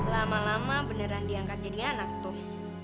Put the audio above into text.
lama lama beneran diangkat jadi anak tuh